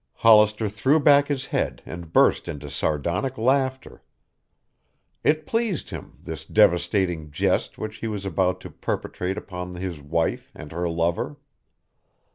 Hollister threw back his head and burst into sardonic laughter. It pleased him, this devastating jest which he was about to perpetrate upon his wife and her lover.